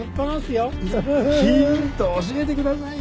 ヒント教えてくださいよ。